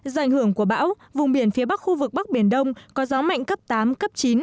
do ảnh hưởng của bão vùng biển phía bắc khu vực bắc biển đông có gió mạnh cấp tám cấp chín